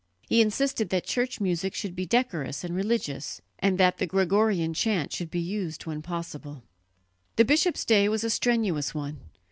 He insisted that church music should be decorous and religious, and that the Gregorian chant should be used when possible. The bishop's day was a strenuous one.